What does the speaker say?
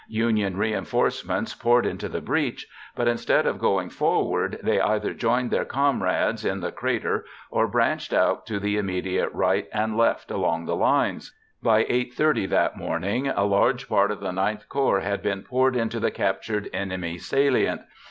Union reinforcements poured into the breach; but, instead of going forward, they either joined their comrades in the crater or branched out to the immediate right and left along the lines. By 8:30 that morning a large part of the IX Corps had been poured into the captured enemy salient.